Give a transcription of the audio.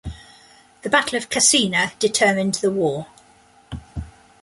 The Battle of Cascina determined the war.